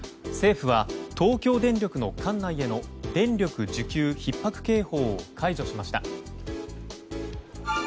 政府は東京電力の管内への電力需給ひっ迫警報を解除しました。